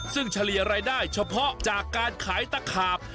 ซึ่งเฉลี่ยรายได้เฉพาะจากการขายตะขาบ